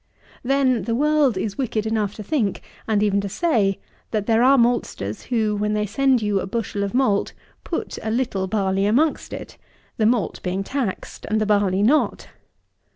Then, the world is wicked enough to think, and even to say, that there are maltsters who, when they send you a bushel of malt, put a little barley amongst it, the malt being taxed and the barley not!